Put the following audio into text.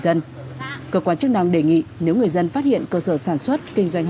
để cơ quan chức năng kiểm tra xử lý